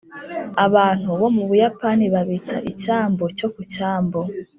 abantu bo mu buyapani babita “icyambu cyo ku cyambu.”